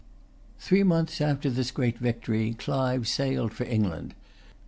Three months after this great victory, Clive sailed for England.